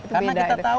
karena kita tahu